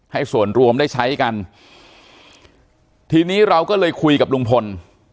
ส่วนรวมได้ใช้กันทีนี้เราก็เลยคุยกับลุงพล